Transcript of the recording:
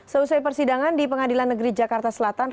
seusai persidangan di pengadilan negeri jakarta selatan